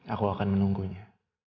aku akan menunggunya